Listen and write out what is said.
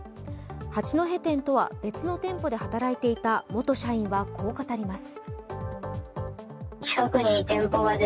八戸店とは別の店舗で働いていた元社員はこう語ります。